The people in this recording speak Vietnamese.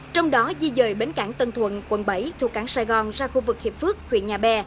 trong đó di dời bến cảng tân thuận quận bảy thu cảng sài gòn ra khu vực hiệp phước huyện nhà bè